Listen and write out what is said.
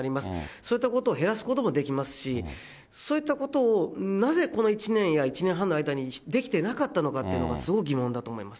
そういったことを減らすこともできますし、そういったことをなぜこの１年や１年半の間にできてなかったのかというのがすごい疑問だと思います。